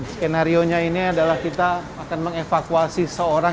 sekenarionya ini adalah kita akan mengevakuasi seorang